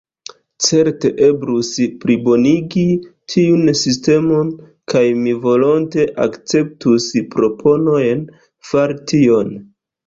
Certe eblus plibonigi tiun sistemon, kaj mi volonte akceptus proponojn fari tion.